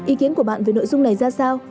ý kiến của bạn về nội dung này ra sao